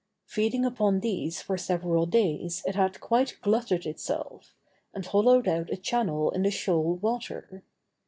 Feeding upon these for several days it had quite glutted itself, and hollowed out a channel in the shoal water.